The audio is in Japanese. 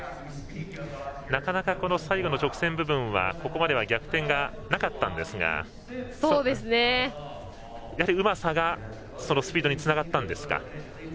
なかなか最後の直線部分はここまでは逆転がなかったんですがうまさが、スピードにつながったんですか。